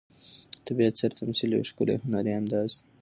د طبیعت سره تمثیل یو ښکلی هنري انداز دی.